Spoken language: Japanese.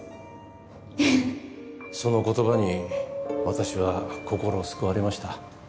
その言葉に私は心を救われました。